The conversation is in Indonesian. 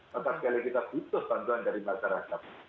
maka sekali kita butuh bantuan dari masyarakat